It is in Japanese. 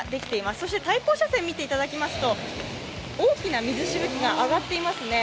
そして対向車線を見ていただきますと大きな水しぶきが上がっていますね。